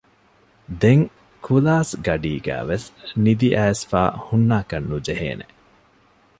ދެން ކުލާސްގަޑީގައިވެސް ނިދިއައިސްފައި ހުންނާކަށް ނުޖެހޭނެ